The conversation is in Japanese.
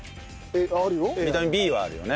ビタミンＢはあるよね。